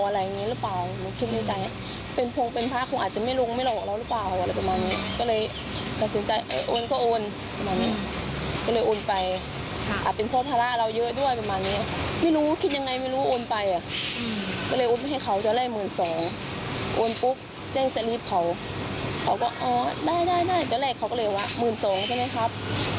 หมื่นสองใช่ไหมครับ